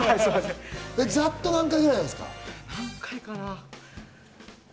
ざっと何回くらいですか？